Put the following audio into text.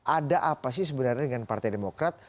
ada apa sih sebenarnya dengan partai demokrat